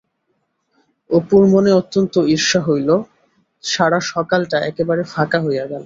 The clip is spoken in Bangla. অপুর মনে অত্যন্ত ঈর্ষ হইল, সারা সকালটা একেবারে ফাঁকা হইয়া গেল!